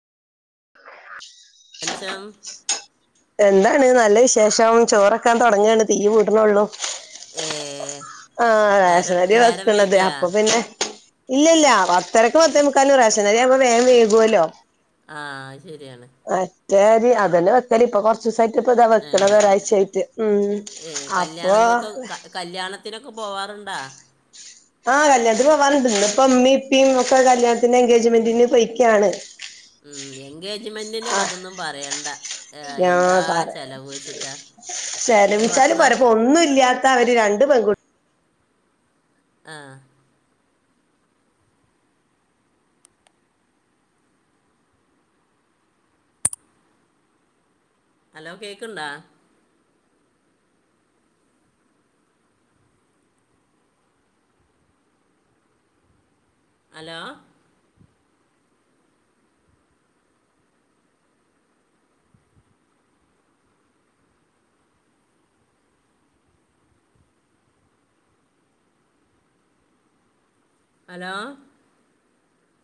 എന്തശം ണ് നല്ല വിശേഷം ചോറ് വെക്കാൻ തൊടങ്ങേണ് തീ കൂട്ടണേ ഉള്ളൂ. ഏ ആ നേരം റേശനരീ നേരം വെക്കണത് വൈകിയാ അപ്പൊ പിന്നെ ഇല്ലില്ല പത്തരക്ക് പത്തേ മുക്കാലിന് റേഷണരി ആവുമ്പ വേഗം വേകുവല്ലോ. ആ അത് ശരിയാണ്. [unintelligible] അതന്നെ വെക്കല് ഇപ്പൊ കൊറച്ച് ദിവസായി ഇപ്പൊ ഇത ഏ വെക്കണത് ഒരാഴ്ച്ച ആയിട്ട് ഉം ഏ അപ്പോ കല്യാണങ്ങൾക്ക് ക- കല്യാണത്തിനൊക്കെ പോവാറുണ്ടാ ആഹ് കല്യാണത്തിന് പോവാനിണ്ട് ഇന്നിപ്പ ഉമ്മി ഉപ്പീം ഒക്കെ കല്യാണത്തിന്റെ എൻഗേജ്മെന്റിന് പോയേക്കാണ് ഉം എൻഗേജ്മെന്റിന്റെ കഥൊന്നും പറയണ്ട ഏഹ് ഞാൻ എന്താ പറ ചെലവ് വെച്ചിട്ടാ ഒരു വിചാരിച്ചാലും പത്ത്നാ പോരാ ഇപ്പൊ ഒന്നും ഇല്ലാത്ത [unintelligible] ആ അ അലോ അലോ